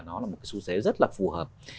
nó là một cái xu thế rất là phù hợp